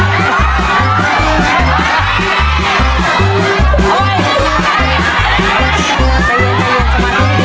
พี่อาวุธออกไปครับ